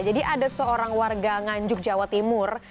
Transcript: ada seorang warga nganjuk jawa timur